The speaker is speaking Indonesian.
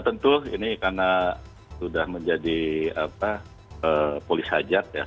tentu ini karena sudah menjadi polis hajat ya